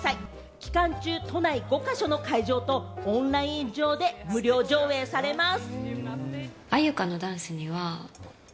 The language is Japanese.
期間中都内５か所の会場とオンライン上で無料上映されます。